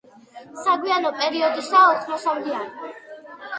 საგვიანო პერიოდისაა, უხვმოსავლიანი.